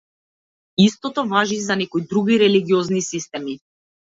Истото важи и за некои други религиозни системи.